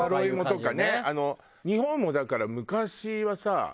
日本もだから昔はさ